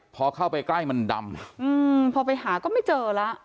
พอเข้าไปใกล้มันดำพอไปหาก็ไม่เจอแล้ว